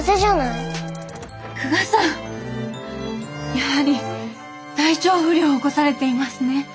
やはり体調不良を起こされていますね。